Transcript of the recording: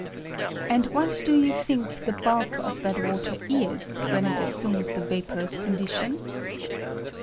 And what do you think the bulk of that water is when it assumes the vaporous condi tion